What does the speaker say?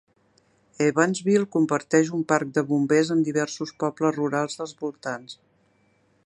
Evansville comparteix un parc de bombers amb diversos pobles rurals dels voltants.